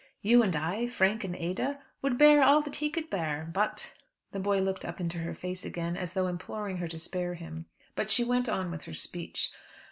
You and I, Frank and Ada, would bear all that he could bear. But " The boy looked up into her face again, as though imploring her to spare him, but she went on with her speech.